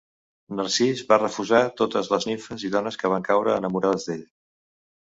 Narcís va refusar totes les nimfes i dones que van caure enamorades d'ell.